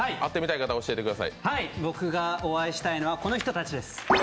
僕がお会いしたいのはこの人たちです。